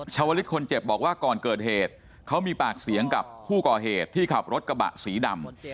ชาวลิศคนเจ็บบอกว่าก่อนเกิดเหตุเขามีปากเสียงกับผู้ก่อเหตุที่ขับรถกระบะสีดำ